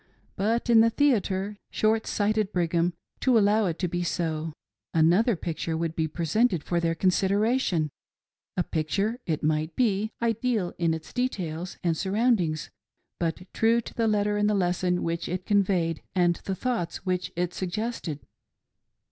But in the theatre — short sighted Brigham, to allow it to be so !— another picture would be presented for their consider ation,— a picture, it might be, ideal in its details and surround ings, but true to the letter in the lesson which it conveyed and the thoughts which it suggested.